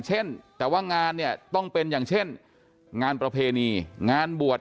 เช่นแต่ว่างานเนี่ยต้องเป็นอย่างเช่นงานประเพณีงานบวช